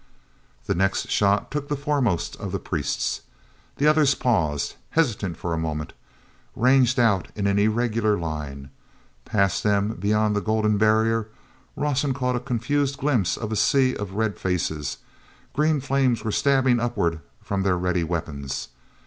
The next shot took the foremost of the priests. The others paused, hesitant for a moment, ranged out in an irregular line. Past them, beyond the golden barrier, Rawson caught a confused glimpse of a sea of red faces. Green flames were stabbing upward from their ready weapons.